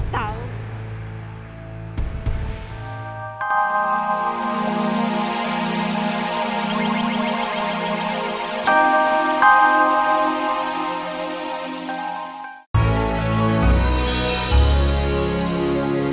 tapi gue gak mau naik motor sama kalian